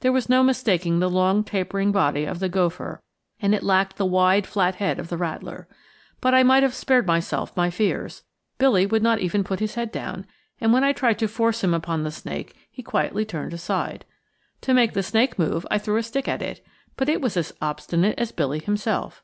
There was no mistaking the long tapering body of the gopher, and it lacked the wide flat head of the rattler. But I might have spared myself my fears. Billy would not even put his head down, and when I tried to force him upon the snake he quietly turned aside. To make the snake move, I threw a stick at it, but it was as obstinate as Billy himself.